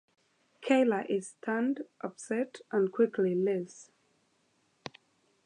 Kayla is stunned, upset, and quickly leaves.